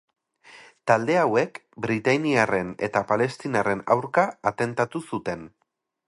Talde hauek, britainiarren eta palestinarren aurka atentatu zuten.